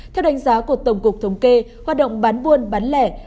theo đánh giá của tổng cục thống kê hoạt động bán buôn bán lẻ